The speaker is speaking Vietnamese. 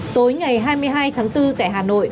tối ngày hai mươi hai tháng bốn tại hà nội